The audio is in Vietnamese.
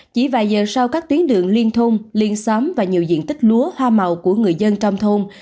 chỉ vài giờ sau các tuyến đường liên thôn liên xóm và nhiều diện tích lúa hoa màu của người dân trong thôn